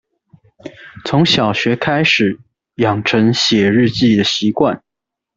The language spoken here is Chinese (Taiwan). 從小學開始養成寫日記的習慣